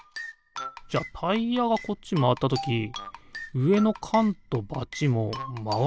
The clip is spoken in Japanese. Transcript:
じゃタイヤがこっちまわったときうえのかんとバチもまわっちゃいそうだよね。